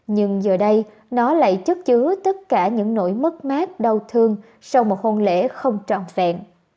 nhưng giờ đây nó lại chất chứa tất cả những nỗi mất mát đau thương sau một hôn lễ không trọn vẹn